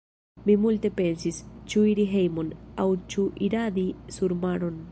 Mi multe pensis; ĉu iri hejmon, aŭ ĉu iradi surmaron.